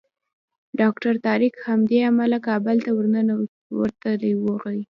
ډاکټر طارق همدې امله کابل ته ورته راغی.